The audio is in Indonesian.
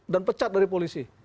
dan pecat dari polisi